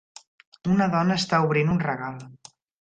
Una dona està obrint un regal